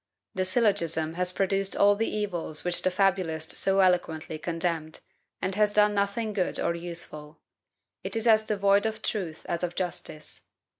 The syllogism has produced all the evils which the fabulist so eloquently condemned, and has done nothing good or useful: it is as devoid of truth as of justice.